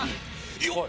よっ！